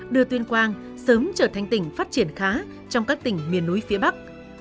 đưa tuyên quang sớm trở thành tỉnh phát triển khá trong các tỉnh miền núi phía bắc